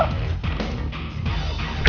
mereka bisa berdua